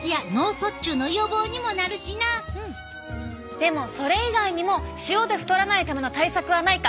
でもそれ以外にも塩で太らないための対策はないか？